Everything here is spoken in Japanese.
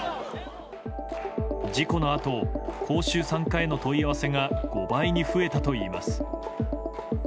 事故のあと講習参加への問い合わせが５倍に増えたといいます。